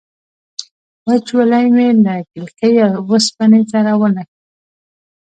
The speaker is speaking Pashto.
وچولی مې له کلکې اوسپنې سره ونښت.